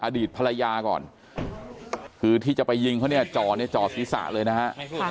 อดีตภรรยาก่อนคือที่จะไปยิงเขาเนี่ยจ่อเนี่ยจ่อศีรษะเลยนะฮะ